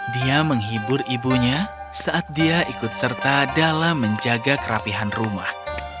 dia menghibur ibunya saat dia ikut serta dalam menjaga kerapihan rumah